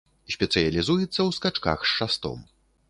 Спецыялізуецца ў скачках з шастом.